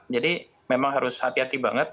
jadi memang harus hati hati banget